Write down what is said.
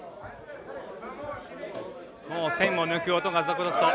もう栓を抜く音が続々と。